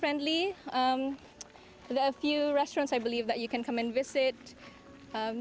ada beberapa restoran yang bisa anda ikut